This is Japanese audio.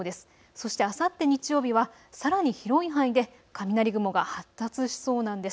そしてあさって日曜日はさらに広い範囲で雷雲が発達しそうなんです。